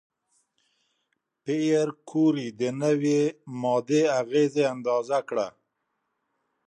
پېیر کوري د نوې ماده اغېزې اندازه کړه.